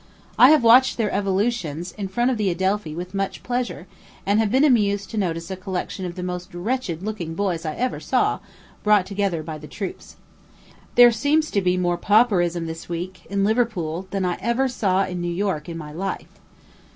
I have watched their evolutions in front of the Adelphi with much pleasure, and have been amused to notice a collection of the most wretched looking boys I ever saw, brought together by the troops. There seems to me more pauperism this week, in Liverpool, than I ever saw in New York in my life.